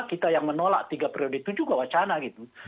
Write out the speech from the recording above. kita yang menolak tiga periode itu juga wacana gitu